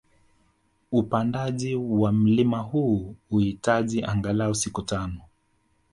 Upandaji wa mlima huu huhitaji angalau siku tano